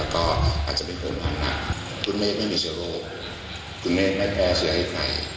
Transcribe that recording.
คุณเมคไม่มีโจรสคุณเมคไม่แดนเชื้อให้ใคร